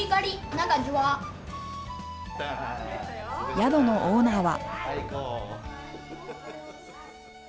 宿のオーナーは。